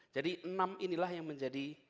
jadi enam inilah yang menjadi